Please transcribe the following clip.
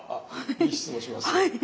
いい質問しますね。